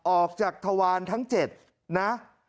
ออกจากทวารทั้ง๗นะ